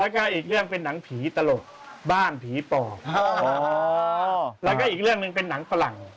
แล้วก็อีกเรื่องเป็นหนังผีตลกบ้านผีปอบแล้วก็อีกเรื่องหนึ่งเป็นหนังฝรั่ง